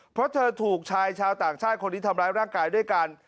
เพราะเธอถูกชายชาวต่างชาติคนนี้ทำร้ายร่างกายด้วยกัน